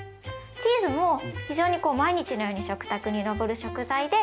チーズも非常にこう毎日のように食卓に上る食材で。